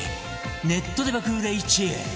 ネットで爆売れ１位！